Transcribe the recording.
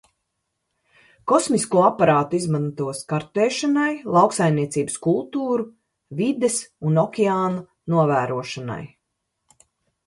Kosmisko aparātu izmantos kartēšanai, lauksaimniecības kultūru, vides un okeāna novērošanai.